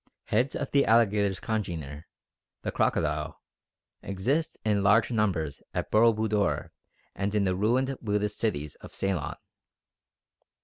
Heads of the alligator's congener, the crocodile, exist in large numbers at Boro Budor and in the ruined Buddhist cities of Ceylon.